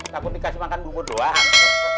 takut dikasih makan bubur doang